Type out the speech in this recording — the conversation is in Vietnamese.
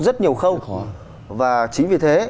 rất nhiều khâu và chính vì thế